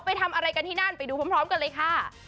ไปทำอะไรกันที่นั่นไปดูพร้อมกันเลยค่ะ